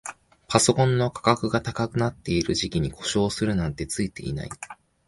パソコンの価格が高くなってる時期に故障するなんてツイてない